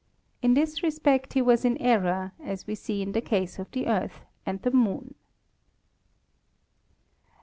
In this respect he was in error, as we see in the case of the Earth and the Moon.